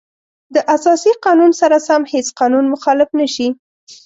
د اساسي قانون سره سم هیڅ قانون مخالف نشي.